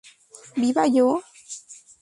¿viva yo?